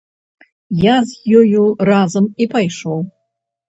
Я з ёю разам і пайшоў.